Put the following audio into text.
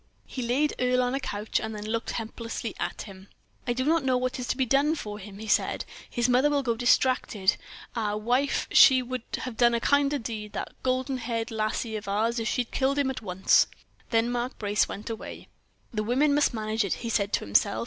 He laid Earle on a couch, and then looked helplessly at him. "I do not know what is to be done for him," he said. "His mother will go distracted. Ah! wife, she would have done a kinder deed, that golden haired lassie of ours, if she had killed him at once." Then Mark Brace went away. "The women must manage it," he said to himself.